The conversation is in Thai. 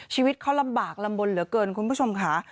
ชีวิตเขาลำบากลำบลเหลือเกินคุณผู้ชมค่ะ